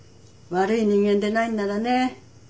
悪い人間でないんならね。